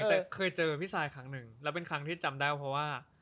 แต่เคยเจอพี่ซายครั้งหนึ่งแล้วเป็นครั้งที่จำได้เพราะว่า